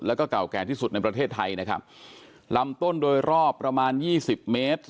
แล้วก็เก่าแก่ที่สุดในประเทศไทยนะครับลำต้นโดยรอบประมาณยี่สิบเมตร